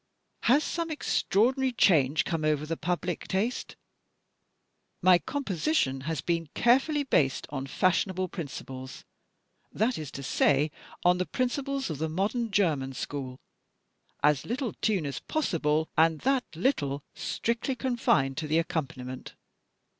Has some extraordinary change come over the public taste? My composition has been carefully based on fashionable principles that is to say, on the principles of the modern German school. As little tune as possible; and that little strictly confined to the accompaniment.